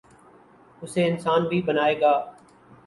، اسے انسان بھی بنائے گا۔